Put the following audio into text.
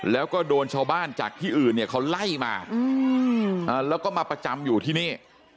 แล้วก็โดนชาวบ้านจากที่อื่นเนี่ยเขาไล่มาแล้วก็มาประจำอยู่ที่นี่